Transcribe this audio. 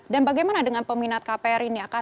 dan bagaimana dengan peminat kpr ini